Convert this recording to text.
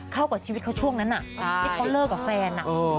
เข้ากับชีวิตเขาช่วงนั้นที่เขาเลิกกับแฟน